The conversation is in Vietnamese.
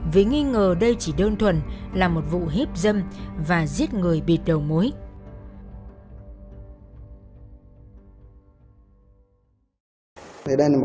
vì nghi ngờ đây chỉ đơn thuần là một vụ hiếp dâm và giết người bịt đầu mối